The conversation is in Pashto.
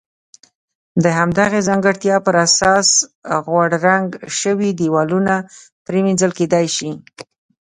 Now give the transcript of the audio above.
د همدغې ځانګړتیا پر اساس غوړ رنګ شوي دېوالونه پرېمنځل کېدای شي.